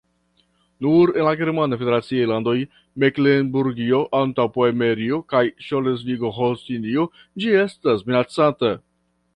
Nur en la germana federaciaj landoj Meklenburgio-Antaŭpomerio kaj Ŝlesvigo-Holstinio ĝi estas minacata.